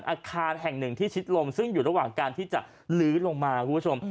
อาคารแห่งหนึ่งที่ชิดลมซึ่งอยู่ระหว่างการที่จะลื้อลงมาคุณผู้ชม